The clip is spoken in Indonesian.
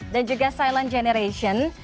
dan juga silent generation